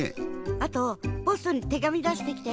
あとポストにてがみだしてきて。